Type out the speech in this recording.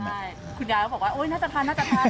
คุณยายก็บอกว่าโอ๊ยน่าจะทัน